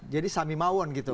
jadi samimawan gitu